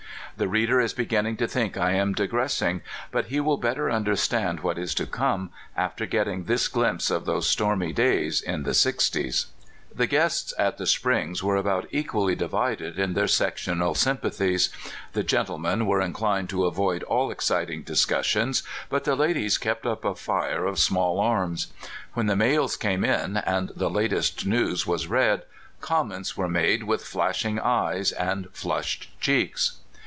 The reader is beginning to think I am digressing, but he will better under stand what is to come after getting this glimpse of those stormy days in the sixties. The guests at the Springs were about equally divided in their sectional sympathies. The gen tlemen were inclined to avoid all exciting discus sions, but the ladies kept up a fire of small arms. When the mails came in, and the latest news was 244 CALIFORNIA SKETCHES. read, comments were made with flashing eyes and flushed cheeks.